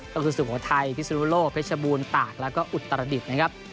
กับสุศุโขทัยพิศุโรโลพฤชบูรณ์ตากแล้วก็อุตรดิตนะครับ